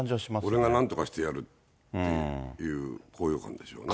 俺がなんとかしてやるっていう高揚感ですよね。